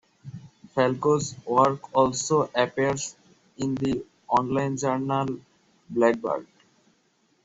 Falco's work also appears in the online journal "Blackbird".